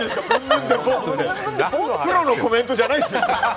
プロのコメントじゃないですよ。